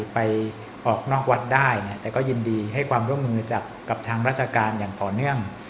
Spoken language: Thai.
ไปออกนอกวัดได้แต่ก็ยินดีให้ความร่วมมือจากกับทางราชการอย่างต่อเนื่อง